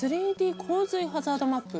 ３Ｄ洪水ハザードマップ。